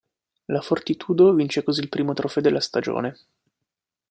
La Fortitudo vince così il primo trofeo della stagione.